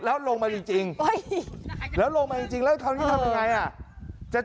แล้วลงมาจริงแล้วลงมาจริงแล้วคราวนี้ทำยังไงอ่ะจะ